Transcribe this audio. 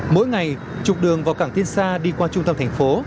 mỗi ngày chục đường vào cảng tiên xa đi qua trung tâm thành phố